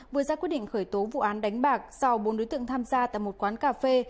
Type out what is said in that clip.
vừa ra quyết định khởi tố vụ án đánh bạc sau bốn đối tượng tham gia tại một quán cà phê